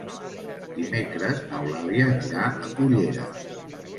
Dimecres n'Eulàlia anirà a Cullera.